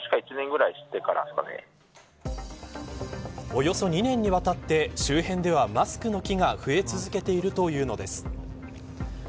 およそ２年にわたって周辺ではマスクの木が増え続けているというのです。